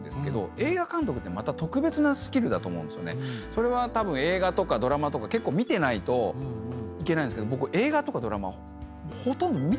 それは映画とかドラマとか結構見てないといけないんですけど僕。